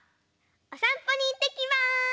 おさんぽにいってきます！